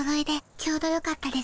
ちょうどよかったです。